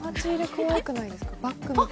かわいくないですか？